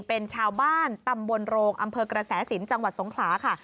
เป็นชาวบ้านตำบลโรงอำเภอกระแสสินจังหวัดสงขลาค่ะ